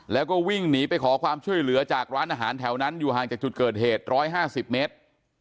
แล้วก็วิ่งหนีไปขอความช่วยเหลือจากร้านอาหารแถวนั้นอยู่ห่างจากจุดเกิดเหตุ๑๕๐เมตร